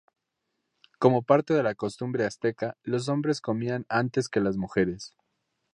Como parte de la costumbre azteca, los hombres comían antes que las mujeres.